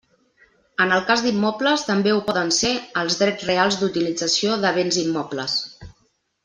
En el cas d'immobles, també ho poden ser els drets reals d'utilització de béns immobles.